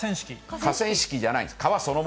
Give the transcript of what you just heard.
河川敷じゃないんです。